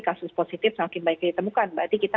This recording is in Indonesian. kasus positif semakin baik ditemukan berarti kita